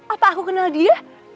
apa aku kenal dia